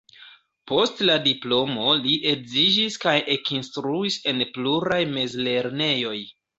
Post la diplomo li edziĝis kaj ekinstruis en pluraj mezlernejoj.